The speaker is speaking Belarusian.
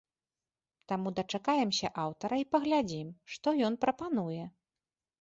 Таму дачакаемся аўтара і паглядзім, што ён прапануе.